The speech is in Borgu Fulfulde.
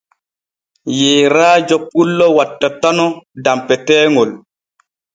Yeerajo pullo wattatano danpeteeŋol.